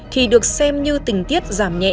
thì được xem như tình tiết giảm nhẹ